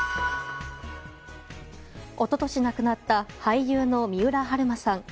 一昨年亡くなった俳優の三浦春馬さん。